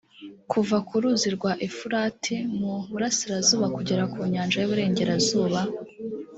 kuva ku ruzi rwa efurati mu burasirazuba kugera ku nyanja y’iburengerazuba,